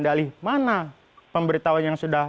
dari mana pemberitahuan yang sudah